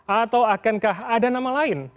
atau akankah ada nama lain